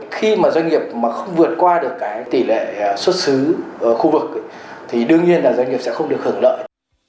khi mà doanh nghiệp mà không vượt qua được cái tỷ lệ xuất xứ ở khu vực thì đương nhiên là doanh nghiệp sẽ không được hưởng lợi